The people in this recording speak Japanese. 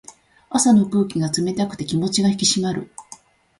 朝の空気が冷たくて気持ちが引き締まる。